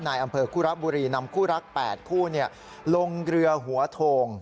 นายอำเภอคุระบุรีนำคู่รัก๘คู่ลงเรือหัวโทง